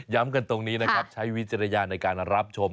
กันตรงนี้นะครับใช้วิจารณญาณในการรับชม